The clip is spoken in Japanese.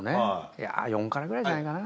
いや４辛ぐらいじゃないかな。